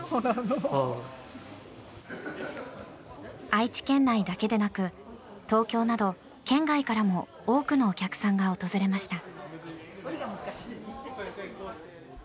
愛知県内だけでなく東京など県外からも多くのお客さんが訪れました。